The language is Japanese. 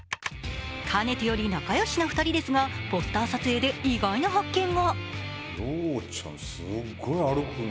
かねてより仲よしな２人ですがポスター撮影で意外な発見が。